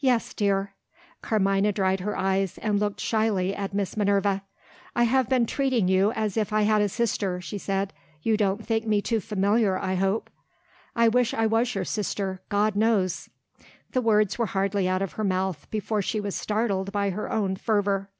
"Yes, dear." Carmina dried her eyes, and looked shyly at Miss Minerva. "I have been treating you as if I had a sister," she said; "you don't think me too familiar, I hope?" "I wish I was your sister, God knows!" The words were hardly out of her mouth before she was startled by her own fervour.